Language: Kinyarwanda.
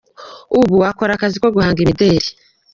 Ubu akora akazi ko guhanga imideri.